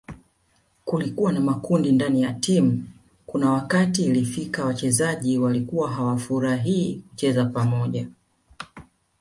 Kulikuwa na makundi ndani ya timu kuna wakati ilifika wachezaji walikuwa hawafurahii kucheza pamoja